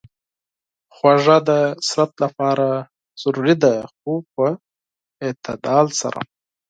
خوږه د بدن لپاره ضروري ده، خو په اعتدال سره.